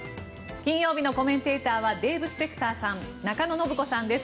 金曜日のコメンテーターはデーブ・スペクターさん中野信子さんです。